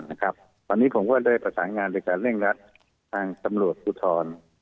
วันนี้ผมว่าได้ประสางงานในการเร่งรักทางสำรวจภูทร